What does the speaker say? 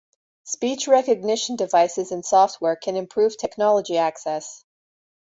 Speech recognition devices and software can improve technology access.